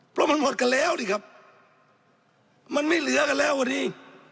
เพราะมันหมดกันแล้วนี่ครับมันไม่เหลือกันแล้ววันนี้